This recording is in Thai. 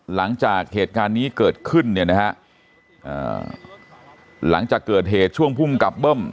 หลังจากเหตุการณ์นี้เกิดขึ้นเนี่ยนะฮะหลังจากเกิดเหตุช่วงภูมิกับเบิ้ม